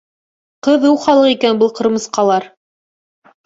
Ҡыҙыу халыҡ икән был ҡырмыҫҡалар!